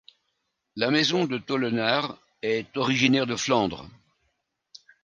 La maison de Tolenaere est originaire de Flandre.